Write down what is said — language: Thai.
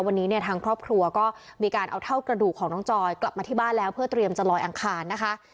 วันนี้เนี่ยทางครอบครัวก็มีการเอาเท่ากระดูกของน้องจอยกลับมาที่บ้านแล้วเพื่อเตรียมจะลอยอังคารนะคะ